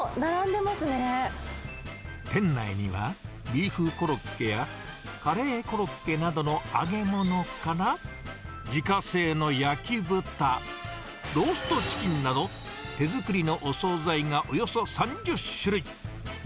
店内には、ビーフコロッケやカレーコロッケなどの揚げ物から、自家製の焼き豚、ローストチキンなど、手作りのお総菜がおよそ３０種類。